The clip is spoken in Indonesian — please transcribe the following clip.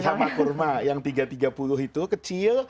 sama kurma yang tiga ratus tiga puluh itu kecil